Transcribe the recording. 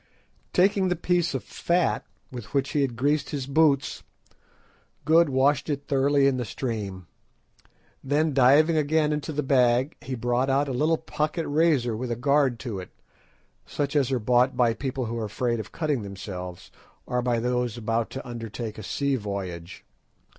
Taking the piece of fat with which he had greased his boots, Good washed it thoroughly in the stream. Then diving again into the bag he brought out a little pocket razor with a guard to it, such as are bought by people who are afraid of cutting themselves, or by those about to undertake a sea voyage.